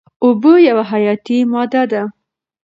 اوبه یوه حیاتي ماده ده.